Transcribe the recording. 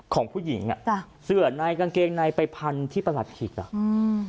ของผู้หญิงอ่ะจ้ะเสื้อในกางเกงในไปพันที่ประหลัดขิกอ่ะอืม